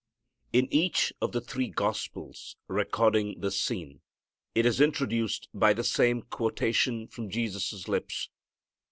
In each of the three Gospels recording this scene it is introduced by the same quotation from Jesus' lips.